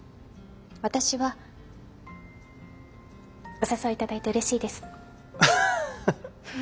私はお誘い頂いてうれしいです。